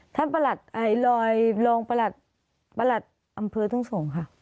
ประหลัดไอลอยรองประหลัดประหลัดอำเภอทุ่งสงค่ะ